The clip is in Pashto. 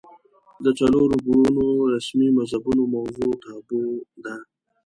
د څلور ګونو رسمي مذهبونو موضوع تابو ده